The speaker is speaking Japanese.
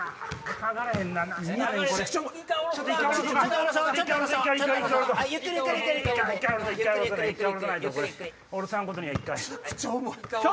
下ろさんことには１回。